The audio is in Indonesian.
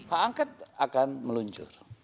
hak angket akan meluncur